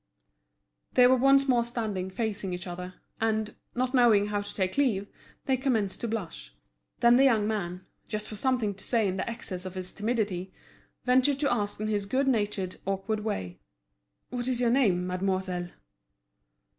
They were once more standing facing each other; and, not knowing how to take leave, they commenced to blush. Then the young man, just for something to say in the excess of his timidity, ventured to ask in his good natured, awkward way: "What is your name, mademoiselle?"